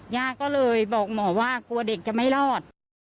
ย่าก็เลยบอกหมอว่ากลัวเด็กจะไม่รอด